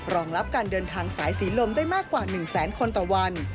รองรับการเดินทางสายสีลมได้มากกว่า๑แสนคนต่อวัน